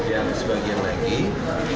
yang sebagian lainnya